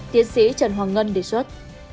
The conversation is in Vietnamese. tiến sĩ trần hoàng ngân đề xuất